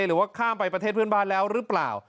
หรือว่าข้ามไปประเทศเพื่อนบ้านแล้วหรือเปล่า